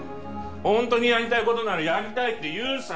ほんとにやりたいことならやりたいっていうさ